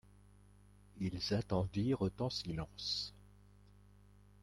Ils attendirent en silence.